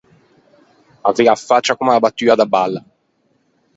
Avei a faccia comme a battua da balla.